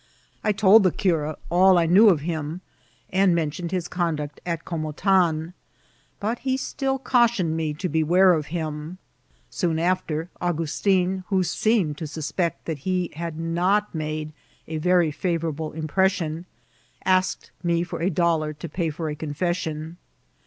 I told the cura all I knew of him, and mentieiied his eondnct at Comotan ; but he still cautioned me to be* were of him. Soon after, Augustin, who seemed to suspect tibiat he had not made a Tory favouialde impees sion, asked me for a dolhr to pay for a confession.